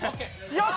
よし！